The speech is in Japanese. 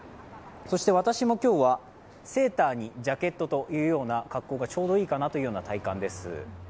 私も今日はセーターにジャッケというような格好がちょうどいいかなという体感です。